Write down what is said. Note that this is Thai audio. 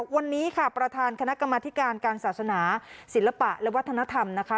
วันนี้ค่ะประธานคณะกรรมธิการการศาสนาศิลปะและวัฒนธรรมนะคะ